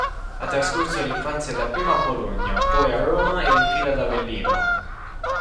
Ha trascorso l'infanzia dapprima a Bologna, poi a Roma ed infine ad Avellino.